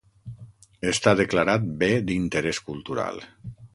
Està declarat bé d'interés cultural.